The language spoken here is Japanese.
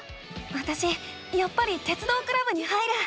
わたしやっぱり鉄道クラブに入る。